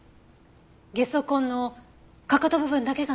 ゲソ痕のかかと部分だけが残ったものです。